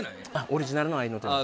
オリジナルの合いの手であ